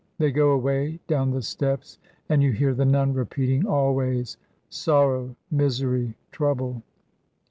They go away down the steps, and you hear the nun repeating always, 'Sorrow, misery, trouble.'